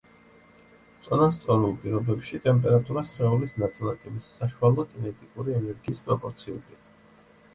წონასწორულ პირობებში ტემპერატურა სხეულის ნაწილაკების საშუალო კინეტიკური ენერგიის პროპორციულია.